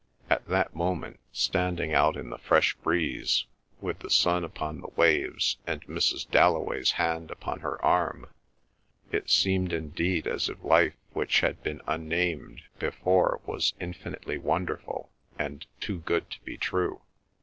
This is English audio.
At that moment, standing out in the fresh breeze, with the sun upon the waves, and Mrs. Dalloway's hand upon her arm, it seemed indeed as if life which had been unnamed before was infinitely wonderful, and too good to be true.